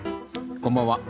こんばんは。